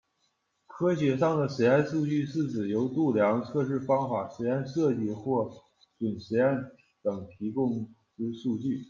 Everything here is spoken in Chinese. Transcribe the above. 科学上的实验数据是指由度量、测试方法、实验设计或准实验等提供之数据。